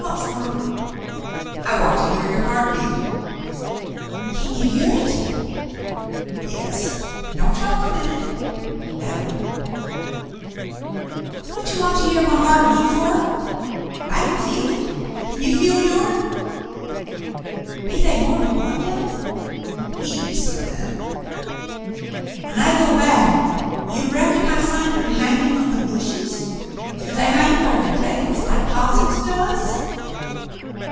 "Whatfer?" I want to hear your heart beat." Kin you hear hit ?" Yes — don't talk, a minute, — that'll do. " "What you want to hear my heart beat fer ? I kin feel hit. Kin you feel yourn ? Be they more'n one devil ?" "Heaps of them." <('<(' 150 The Mountain Girl (< When I go back, you reckon I'll find 'em hanging on the bushes ? Do they hang by ther tails, like 'possums does